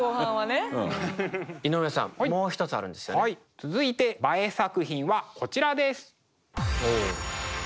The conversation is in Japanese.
続いてＢＡＥ作品はこちらです。